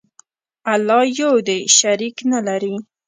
الله یو دی، شریک نه لري.